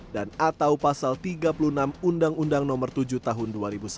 dan atau pasal tiga puluh enam undang undang nomor tujuh tahun dua ribu sebelas